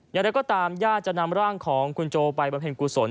ยังแล้วก็ตามญาติจะนำร่างของคุณโจไปบรรเภณกุศล